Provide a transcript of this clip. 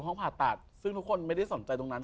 ห้องผ่าตัดซึ่งทุกคนไม่ได้สนใจตรงนั้น